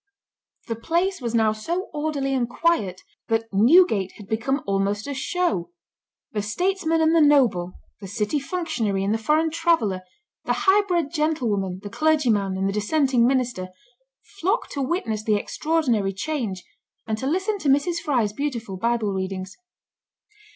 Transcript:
The place was now so orderly and quiet, that "Newgate had become almost a show; the statesman and the noble, the city functionary and the foreign traveller, the high bred gentlewoman, the clergyman and the dissenting minister, flocked to witness the extraordinary change," and to listen to Mrs. Fry's beautiful Bible readings.